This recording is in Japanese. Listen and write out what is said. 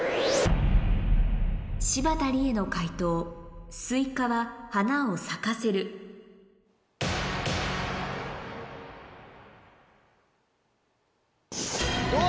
柴田理恵の解答スイカは花を咲かせるお！